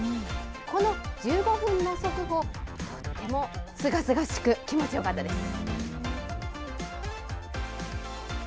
この１５分の速歩、とってもすがすがしく気持ちよかったです。